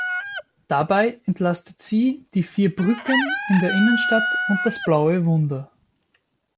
Dabei entlastet sie die vier Brücken in der Innenstadt und das Blaue Wunder.